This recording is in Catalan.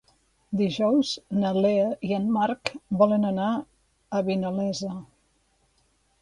Dijous na Lea i en Marc volen anar a Vinalesa.